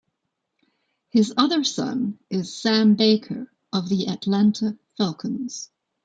His other son is Sam Baker of the Atlanta Falcons.